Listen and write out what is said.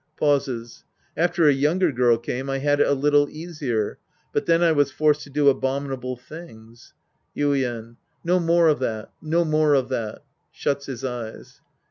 (^Pauses.) After a younger girl came, I had it a little easier. But then I was forced to do abomi nable things. Yuien. No more of that. No more of that. {Shuts his eyes.)